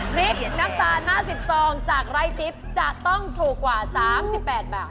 พริกน้ำตาล๕๐ซองจากไร้ติ๊บจะต้องถูกกว่า๓๘บาท